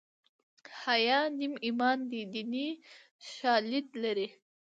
حیا نیم ایمان دی دیني شالید لري